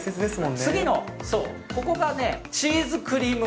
次の層、ここがチーズクリー